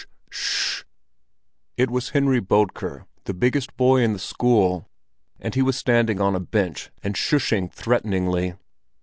"Sh—sh! Sh—sh!" It was Henry Bodker, the biggest boy in the school, and he was standing on a bench and sh—ing threateningly.